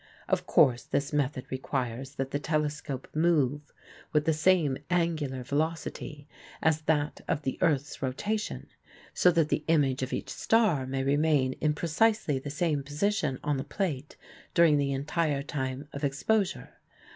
Of course this method requires that the telescope move with the same angular velocity as that of the earth's rotation, so that the image of each star may remain in precisely the same position on the plate during the entire time of exposure.